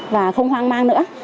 và không hoang mang nữa